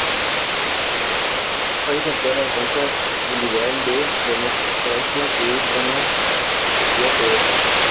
Ningún país actual alcanza el ideal de democracia, que es una utopía teórica.